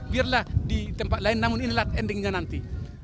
biarlah di tempat lain namun inilah endingnya nanti